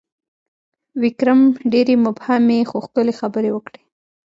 ویکرم ډېرې مبهمې، خو ښکلي خبرې وکړې: